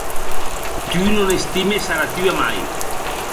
Tu non estimes ara tua mair.